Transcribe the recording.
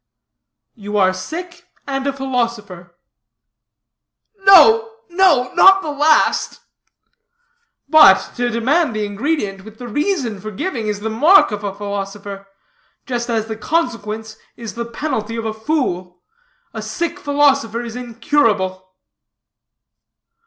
"You are sick, and a philosopher." "No, no; not the last." "But, to demand the ingredient, with the reason for giving, is the mark of a philosopher; just as the consequence is the penalty of a fool. A sick philosopher is incurable?"